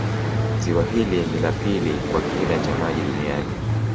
Ziwa hili ni la pili kwa kina cha maji duniani